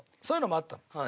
そういうのもあったの。